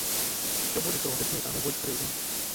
Усё больш дробязна і таму больш крыўдна.